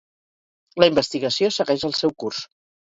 La investigació segueix el seu curs.